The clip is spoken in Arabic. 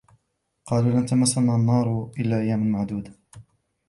وَقَالُوا لَنْ تَمَسَّنَا النَّارُ إِلَّا أَيَّامًا مَعْدُودَةً ۚ